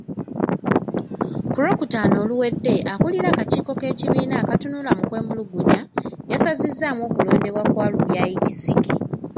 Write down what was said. Ku Lwokutaano oluwedde, akulira akakiiko k'ekibiina akatunula mu kwemulugunya yasazizzaamu okulondebwa kwa Lubyayi Kisiki.